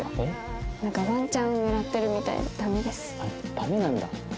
ダメなんだ。